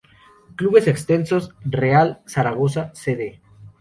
Clubes exentos: Real Zaragoza C. D..